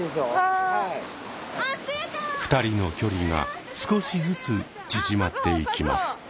２人の距離が少しずつ縮まっていきます。